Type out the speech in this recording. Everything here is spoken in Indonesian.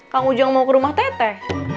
kang ujang mau ke rumah teteh